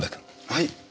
はい。